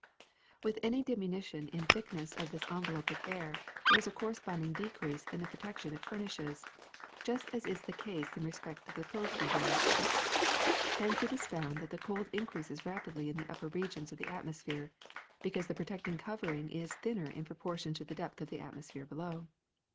^^With any diminution in the thickness of this en velop of air there is a corresponding decrease in the protection it furnishes, just as is the case in respect to the clothes we wear. Hence it is found that the cold increases rapidly in the upper regions of the atmosphere, because the protecting covering is thin ner in proportion to the depth of atmosphere below.